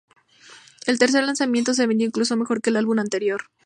El tercer lanzamiento se vendió incluso mejor que el álbum anterior.